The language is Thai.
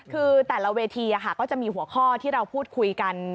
คือแต่ละเวทีก็จะมีหัวข้อที่เราพูดคุยกัน